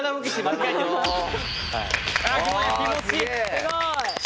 すごい！